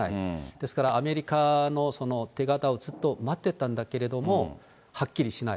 ですから、アメリカの出方をずっと待ってたんだけれどもはっきりしない。